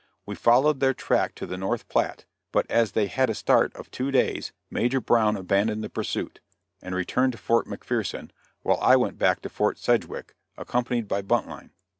We followed their track to the North Platte, but as they had a start of two days, Major Brown abandoned the pursuit, and returned to Fort McPherson, while I went back to Fort Sedgwick, accompanied by Buntline.